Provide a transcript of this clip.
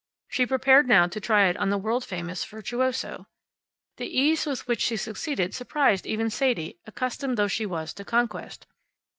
She prepared now to try it on the world famous virtuoso. The ease with which she succeeded surprised even Sadie, accustomed though she was to conquest.